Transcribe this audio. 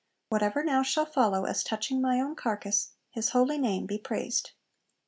Whatever now shall follow, as touching my own carcase, His Holy Name be praised.'